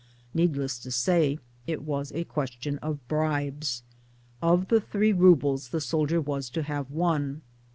Needless to say it was a question of bribes. Of the three roubles the soldier was to have one.